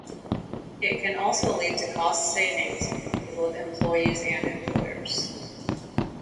It can also lead to cost savings for both employees and employers.